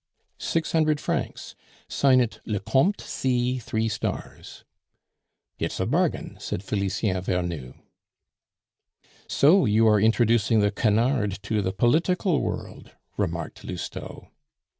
"Six hundred francs. Sign it 'Le Comte C, three stars.'" "It's a bargain," said Felicien Vernou. "So you are introducing the canard to the political world," remarked Lousteau.